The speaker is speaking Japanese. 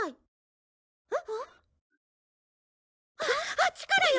あっちからよ！